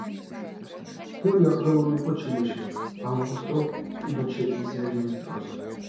ფილმი აკრძალული იყო ჩილეში ავგუსტო პინოჩეტის რეჟიმის დროს.